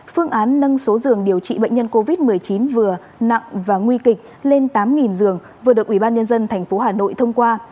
phương án nâng số giường điều trị bệnh nhân covid một mươi chín vừa nặng và nguy kịch lên tám giường vừa được ubnd tp hà nội thông qua